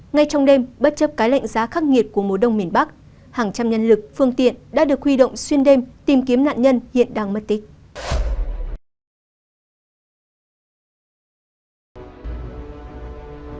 ngay trong đêm bất chấp cái lạnh giá khắc nghiệt của mùa đông miền bắc hàng trăm nhân lực phương tiện đã được huy động xuyên đêm tìm kiếm nạn nhân hiện đang mất tích